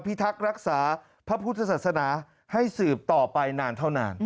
ทักษ์รักษาพระพุทธศาสนาให้สืบต่อไปนานเท่านาน